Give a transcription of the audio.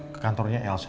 ke kantornya elsa